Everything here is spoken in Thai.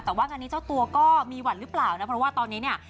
แต่ว่างานนี้เจ้าตัวก็มีหวั่นหรือเปล่านะเพราะว่าตอนนี้เนี่ย